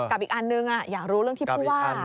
อีกอันนึงอยากรู้เรื่องที่ผู้ว่า